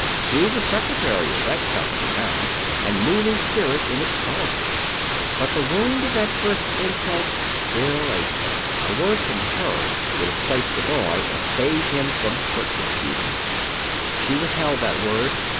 She was secretary of that company now, and moving spirit in its policy. But the wound of that first insult still ached. A word from her would have placed the boy and saved him from curt refusals. She withheld that word.